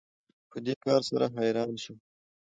په دې کار سره حیرانه شو